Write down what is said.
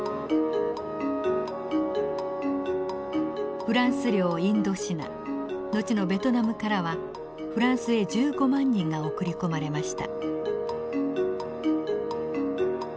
フランス領インドシナ後のベトナムからはフランスへ１５万人が送り込まれました。